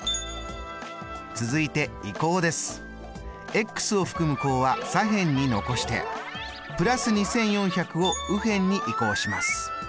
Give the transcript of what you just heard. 続いて移項です。を含む項は左辺に残して＋２４００を右辺に移項します。